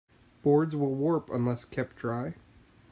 Boards will warp unless kept dry.